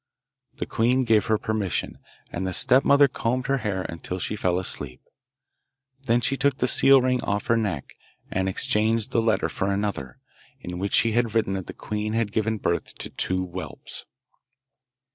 The queen gave her permission, and the stepmother combed her hair until she fell asleep. Then she took the seal ring off her neck, and exchanged the letter for another, in which she had written that the queen had given birth to two whelps.